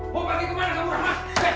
mau pergi kemana kamu rama